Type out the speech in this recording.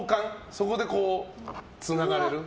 そこでつながれる。